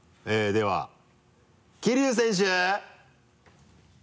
では桐生選手！